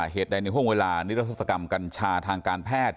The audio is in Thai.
เหตุใดในห่วงเวลานิรัศกรรมกัญชาทางการแพทย์